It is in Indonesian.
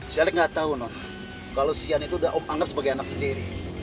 si alek gak tau non kalau si yani itu udah om anggap sebagai anak sendiri